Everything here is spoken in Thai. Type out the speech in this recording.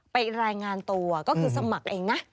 รายงานตัวก็คือสมัครเองนะ